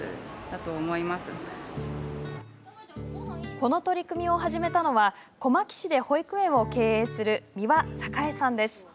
この取り組みを始めたのは小牧市で保育園を経営する三輪栄さんです。